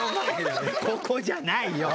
ここじゃないよ！